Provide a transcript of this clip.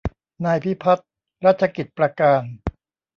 นายพิพัฒน์ รัชกิจประการ